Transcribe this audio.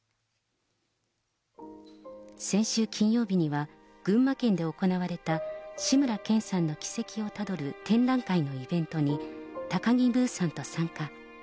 先週金曜日には、群馬県で行われた志村けんさんの軌跡をたどる展覧会のイベントに高木ブーさんと参加。